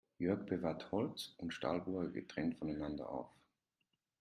Jörg bewahrt Holz- und Stahlbohrer getrennt voneinander auf.